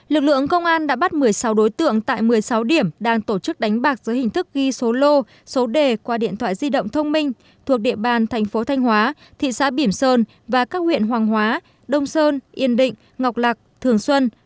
lực lượng công an đã bắt một mươi sáu đối tượng tại một mươi sáu điểm đang tổ chức đánh bạc dưới hình thức ghi số lô số đề qua điện thoại di động thông minh thuộc địa bàn thành phố thanh hóa thị xã bỉm sơn và các huyện hoàng hóa đông sơn yên định ngọc lạc thường xuân